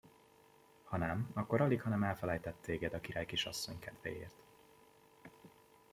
Ha nem, akkor alighanem elfelejtett téged a királykisasszony kedvéért.